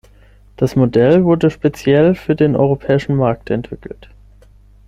Das Modell wurde speziell für den europäischen Markt entwickelt.